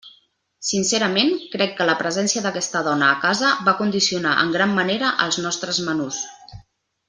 Sincerament, crec que la presència d'aquesta dona a casa va condicionar en gran manera els nostres menús.